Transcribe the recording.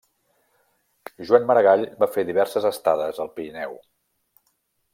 Joan Maragall va fer diverses estades al Pirineu.